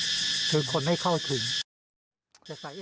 ถ้าสาระอย่างเดียวบางคนฟังแล้วบอกว่าจะหลับนะ